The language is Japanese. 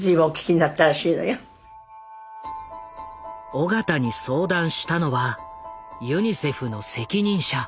緒方に相談したのはユニセフの責任者。